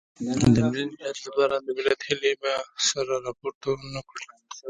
د ملي نجات لپاره د ملت هیلې به سر راپورته نه کړي.